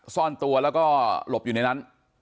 ซ่อนตัวแล้วก็หลบอยู่ในนั้น